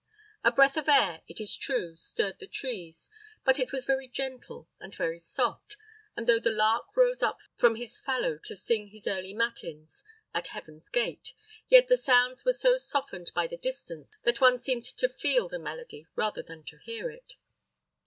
A breath of air, it is true, stirred the trees; but it was very gentle and very soft, and though the lark rose up from his fallow to sing his early matins at heaven's gate, yet the sounds were so softened by the distance, that one seemed to feel the melody rather than to hear it.